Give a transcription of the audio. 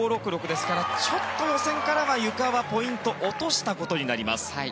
ですからちょっと予選からはゆかはポイントを落としたことになります。